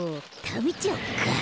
たべちゃおうか。